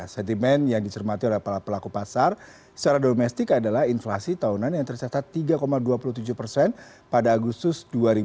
sentimen yang dicermati oleh para pelaku pasar secara domestik adalah inflasi tahunan yang tercatat tiga dua puluh tujuh persen pada agustus dua ribu dua puluh